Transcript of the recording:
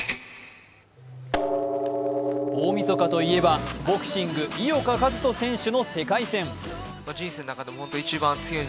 大みそかといえば、ボクシング、井岡一翔選手の世界戦。